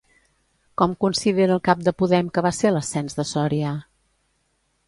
Com considera el cap de Podem que va ser l'ascens de Soria?